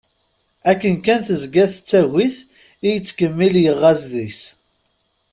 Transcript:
Akken kan tezga tettagi-t i yettkemmil yeɣɣaz deg-s.